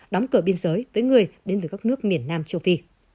đóng cửa biên giới với người đến từ các nước miền nam châu phi